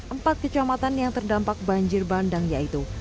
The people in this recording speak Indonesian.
empat kecamatan yang terdampak banjir bandang yaitu